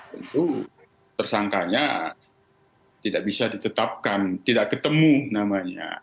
tentu tersangkanya tidak bisa ditetapkan tidak ketemu namanya